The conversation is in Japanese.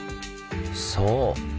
そう！